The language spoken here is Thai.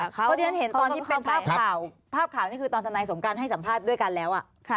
เพราะที่ฉันเห็นตอนที่เป็นภาพข่าวภาพข่าวนี่คือตอนทนายสงการให้สัมภาษณ์ด้วยกันแล้ว